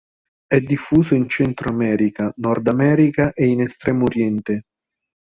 È diffuso in centro America, Nord America e in Estremo Oriente.